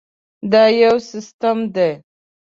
دا یو سیسټم دی.